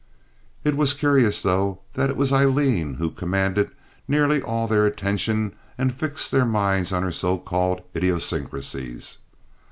It was curious, though, that it was Aileen who commanded nearly all their attention and fixed their minds on her so called idiosyncrasies.